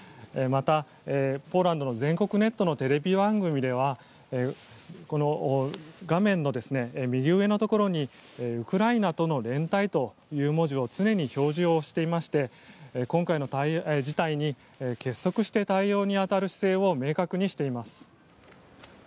また、ポーランドの全国ネットのテレビ番組では画面の右上のところにウクライナとの連帯という文字を常に表示をしていまして今回の事態に結束して対応に当たる姿勢を明確にしています。